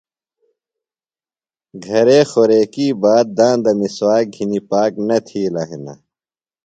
گھرے خوریکیۡ باد داندہ مِسواک گِھنیۡ پاک نہ تِھیلہ ہِنہ۔